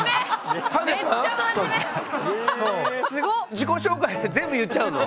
自己紹介で全部言っちゃうの？